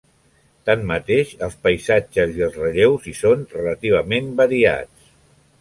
Tanmateix, els paisatges i els relleus hi són relativament variats.